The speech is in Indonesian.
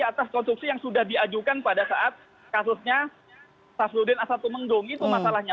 atas konstruksi yang sudah diajukan pada saat kasusnya samsul nusalin dan ijen nusalin itu masalahnya